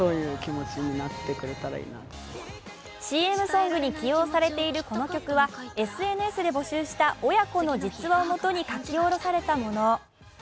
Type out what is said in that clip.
ＣＭソングに起用されているこの曲はＳＮＳで募集した親子の実話をもとに書き下ろされたもの。